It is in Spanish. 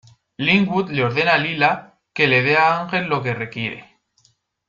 Linwood le ordena a Lilah que le de a Angel lo que requiere.